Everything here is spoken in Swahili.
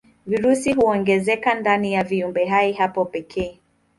Virusi huongezeka ndani ya viumbehai hao pekee.